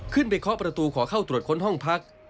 เคาะประตูขอเข้าตรวจค้นห้องพัก